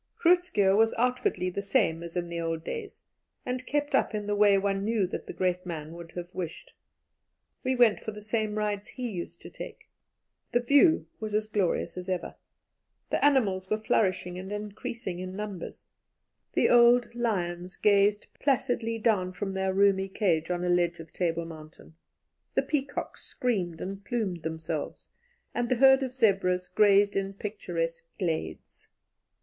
Groot Schuurr was outwardly the same as in the old days, and kept up in the way one knew that the great man would have wished. We went for the same rides he used to take. The view was as glorious as ever, the animals were flourishing and increasing in numbers, the old lions gazed placidly down from their roomy cage on a ledge of Table Mountain, the peacocks screamed and plumed themselves, and the herd of zebras grazed in picturesque glades.